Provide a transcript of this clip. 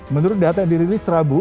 menurut data yang dirilis rabu